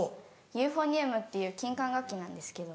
ユーフォニアムっていう金管楽器なんですけど。